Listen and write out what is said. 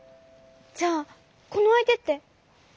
じゃあこのあいてって。